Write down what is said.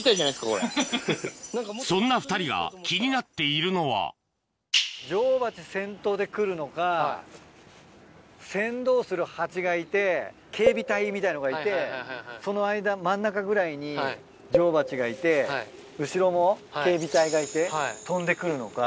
そんな２人が気になっているのは女王バチ先頭で来るのか先導するハチがいて警備隊みたいなのがいてその間真ん中ぐらいに女王バチがいて後ろも警備隊がいて飛んで来るのか？